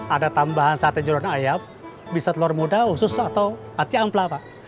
ada tambahan sate jeruan ayam bisa telur muda usus atau hati ampla pak